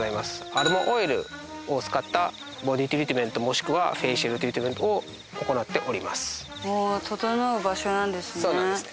アロマオイルを使ったボディートリートメントもしくはフェイシャルトリートメントを行っておりますそうなんですね